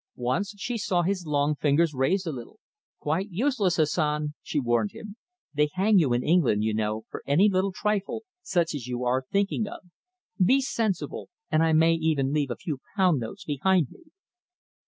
Once she saw his long fingers raised a little. "Quite useless, Hassan," she warned him. "They hang you in England, you know, for any little trifle such as you are thinking of. Be sensible, and I may even leave a few pound notes behind me."